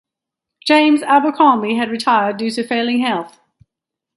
James Abercromby had retired due to failing health.